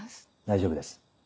大丈夫です。